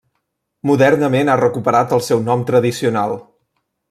Modernament ha recuperat el seu nom tradicional.